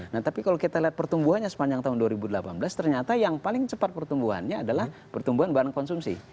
nah tapi kalau kita lihat pertumbuhannya sepanjang tahun dua ribu delapan belas ternyata yang paling cepat pertumbuhannya adalah pertumbuhan barang konsumsi